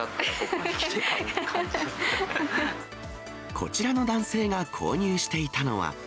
こちらの男性が購入していたのは。